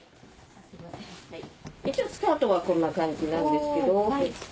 一応スカートはこんな感じなんですけど。